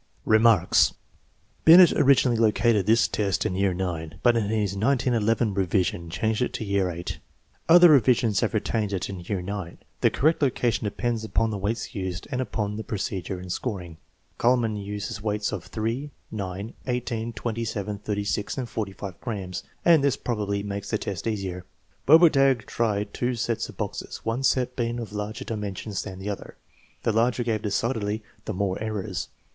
Remarks. Binet originally located this test in year IX, but in his 1911 revision changed it to year VIII. Other revisions have retained it in year IX. The correct location depends upon the weights used and upon the procedure and scoring. Kuhlmann uses weights of 3, 9, 18, 27, 36, and 45 grams, and this probably makes the test easier. Bobertag tried two sets of boxes, one set being of larger dimensions than the other. The larger gave decidedly the more errors.